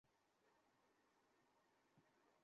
ও ঠিক আছে!